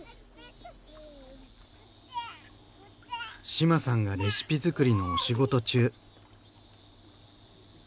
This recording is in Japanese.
志麻さんがレシピづくりのお仕事中。